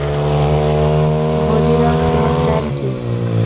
ভজিরার্ড, তোমার প্ল্যান কী?